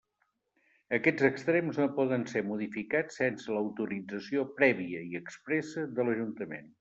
Aquests extrems no poden ser modificats sense l'autorització prèvia i expressa de l'Ajuntament.